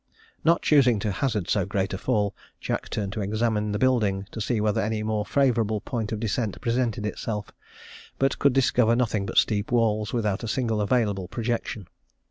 "Not choosing to hazard so great a fall, Jack turned to examine the building, to see whether any more favourable point of descent presented itself, but could discover nothing but steep walls, without a single available projection.